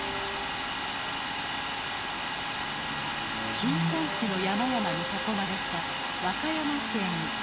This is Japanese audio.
紀伊山地の山々に囲まれた和歌山県北部。